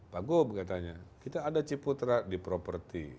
pak gub katanya kita ada ciputra di property